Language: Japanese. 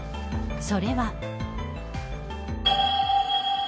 それは。